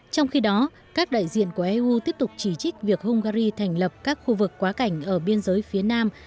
trong khi đó các đại diện của eu tiếp tục chỉ trích việc hungary thành lập các khu vực quá cảnh ở biên giới phía nam